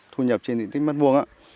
thu nhập trên diện tích mất vuông á